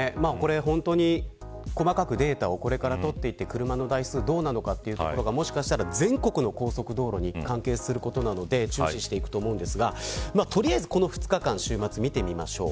本当に細かくデータをこれから取っていって車の台数どうなのかというところがもしかしたら全国の高速道路に関係するところなので注視していくと思うんですが取りあえずこの２日間週末見てみましょう。